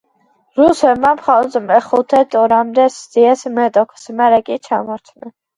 რუსებმა მხოლოდ მეხუთე ტურამდე სდიეს მეტოქეს, მერე კი ჩამორჩნენ.